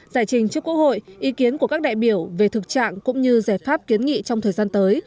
giải trình trước quốc hội ý kiến của các đại biểu về thực trạng cũng như giải pháp kiến nghị trong thời gian tới